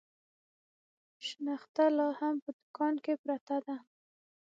شنخته لا هم په دوکان کې پرته ده.